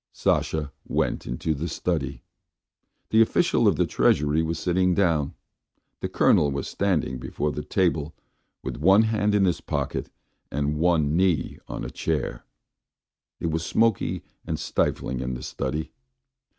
Sasha went into the study. The official of the Treasury was sitting down; the Colonel was standing before the table with one hand in his pocket and one knee on a chair. It was smoky and stifling in the study.